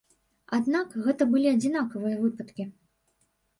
Аднак, гэта былі адзінкавыя выпадкі.